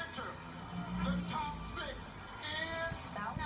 ข้อมูลเข้ามาดูครับ